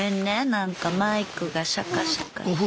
なんかマイクがシャカシャカ。